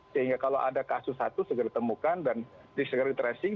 sehingga kalau ada kasus satu sudah ditemukan dan di segari tracing